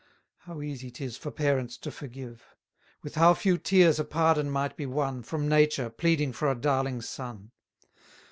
How easy 'tis for parents to forgive! With how few tears a pardon might be won From nature, pleading for a darling son!